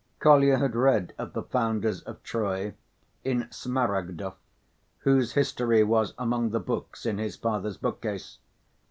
Kolya had read of the founders of Troy in Smaragdov, whose history was among the books in his father's bookcase.